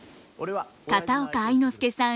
片岡愛之助さん